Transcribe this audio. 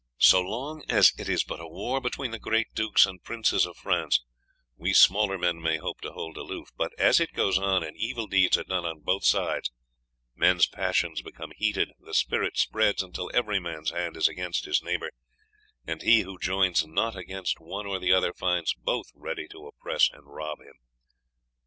"So long as it is but a war between the great dukes and princes of France we smaller men may hope to hold aloof, but, as it goes on, and evil deeds are done on both sides, men's passions become heated, the spirit spreads until every man's hand is against his neighbour, and he who joins not against one or the other finds both ready to oppress and rob him.